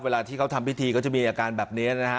เวลาที่เขาทำพิธีก็จะมีอาการแบบนี้นะฮะ